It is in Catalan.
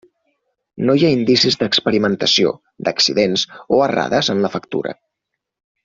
No hi ha indicis d'experimentació, d'accidents o errades en la factura.